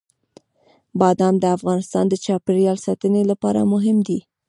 بادام د افغانستان د چاپیریال ساتنې لپاره مهم دي.